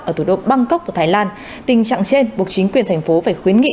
ở thủ đô bangkok của thái lan tình trạng trên buộc chính quyền thành phố phải khuyến nghị